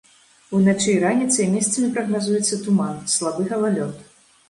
Уначы і раніцай месцамі прагназуецца туман, слабы галалёд.